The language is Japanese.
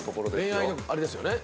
恋愛のあれですよね。